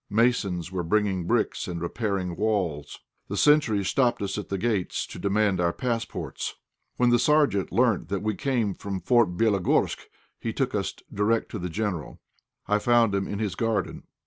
Masons were bringing bricks and repairing the walls. The sentries stopped us at the gates to demand our passports. When the Sergeant learnt that we came from Fort Bélogorsk he took us direct to the General. I found him in his garden.